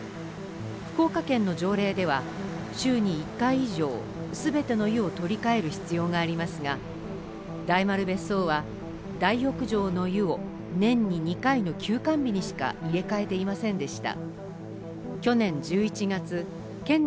福岡県の条例では週に１回以上、全ての湯を取り替える必要がありますが大丸別荘は大浴場の湯を年に２回の休館日にしか入れ替えていませんでした。